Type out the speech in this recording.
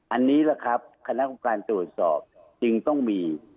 อันนี้แหละครับคณะกรรมการตรวจสอบจึงต้องมี